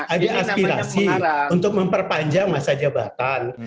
ada aspirasi untuk memperpanjang masa jabatan